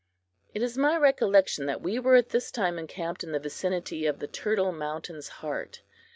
It is my recollection that we were at this time encamped in the vicinity of the "Turtle Mountain's Heart."